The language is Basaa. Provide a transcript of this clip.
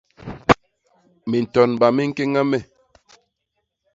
Mintonba mi ñkéña me!̂.